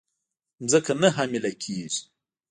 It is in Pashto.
مځکه نه حامله کیږې